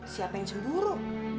siapa yang cemburu